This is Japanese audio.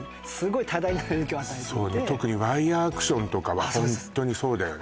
特にワイヤーアクションとかはホントにそうだよね